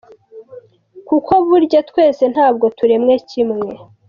Kuko burya twese ntabwo turemwe kimwe.